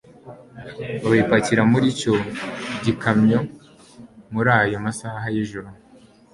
babipakira muricyo gikamyo murayo masaha yijoro